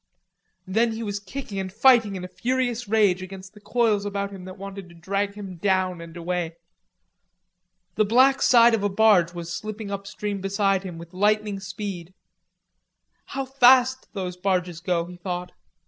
Then he was kicking and fighting in a furious rage against the coils about him that wanted to drag him down and away. The black side of a barge was slipping up stream beside him with lightning speed. How fast those barges go, he thought.